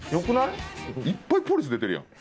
いっぱいポリス出てるやん。